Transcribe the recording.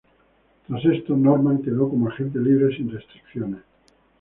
Tras esto, Norman quedó como agente libre sin restricciones.